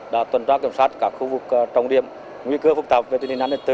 đã tuần tra kiểm soát các khu vực trọng điểm nguy cơ phức tạp về tình hình an ninh tự